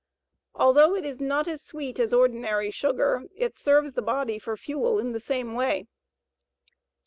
Although it is not as sweet as ordinary sugar, it serves the body for fuel in the same way.